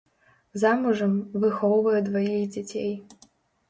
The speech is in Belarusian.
Замужам, выхоўвае дваіх дзяцей.